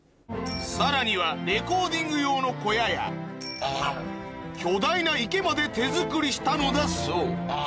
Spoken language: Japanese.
さらにはレコーディング用の小屋や巨大な池まで手作りしたのだそう